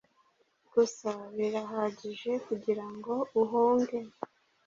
Gusa birahagije kugirango uhunge